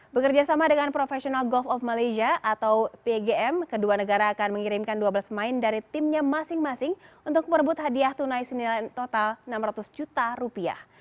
bekerjasama dengan professional golf of malaysia atau pgm kedua negara akan mengirimkan dua belas pemain dari timnya masing masing untuk merebut hadiah tunai senilai total enam ratus juta rupiah